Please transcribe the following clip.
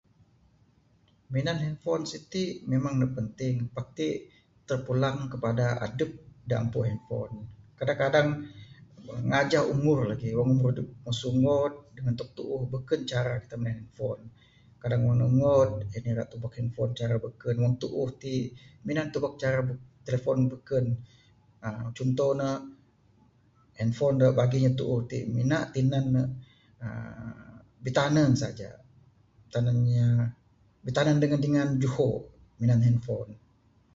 Minan hanfon siti memang ne penting, pak ti terpulang kepada adup da ampu hanfon. Kadang-kadang ngajah umur lagi, wang umur adup masu ungngod, dengan tok tuuh, bekun cara kitak mina hanfon. Kadang ne ungngod, ira tubuk hanfon cara beken. Wang tuuh ti, mina tubuk cara telefon beken. uhh, contoh ne, hanfon da bagi inya da tuuh ti, mina tinan ne, aar bitanen saja. Tanang inya bitanen dengan dingan juho minan hanfon.